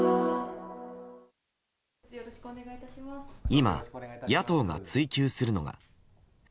今、野党が追及するのが。